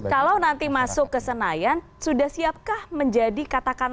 kalau nanti masuk ke senayan sudah siapkah menjadi katakanlah